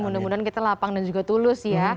mudah mudahan kita lapang dan juga tulus ya